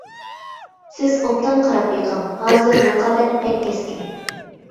سىز ئوبدان قاراپ بېقىڭ، ھازىر رىقابەت بەك كەسكىن.